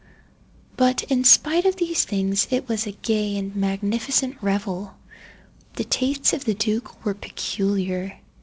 But, in spite of these things, it was a gay and magnificent revel. The tastes of the duke were peculiar.